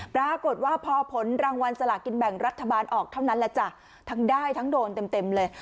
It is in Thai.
ปรากฏว่าพอผลรางวัลสลากินแบ่งรัฐบาลออกเท่านั้นแหละจ้ะทั้งได้ทั้งโดนเต็มเลย